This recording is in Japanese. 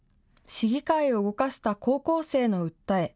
市議会を動かした高校生の訴え。